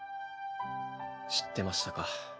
知ってましたか。